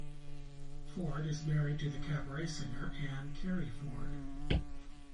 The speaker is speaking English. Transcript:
Ford is married to the cabaret singer Anne Kerry Ford.